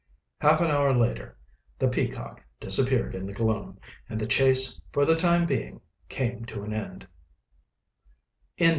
Half an hour later the Peacock disappeared in the gloom, and the chase, for the time being, came to an end.